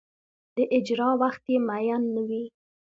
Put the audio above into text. د اجرا وخت یې معین نه وي.